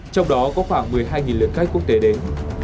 trong đó có khoảng một mươi hai lượt khách quốc tế đến